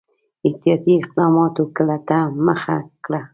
احتیاطي اقداماتو کولو ته مخه کړه.